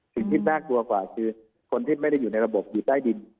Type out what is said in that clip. สิ่งที่น่ากลัวกว่าคือคนที่ไม่ได้อยู่ในระบบอยู่ใต้ดิน